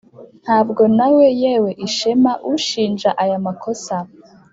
ntabwo nawe, yewe ishema, ushinja aya makosa